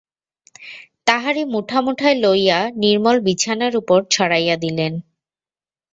তাহারই মুঠা মুঠা লইয়া নির্মল বিছানার উপর ছড়াইয়া দিলেন।